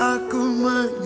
aku akan pergi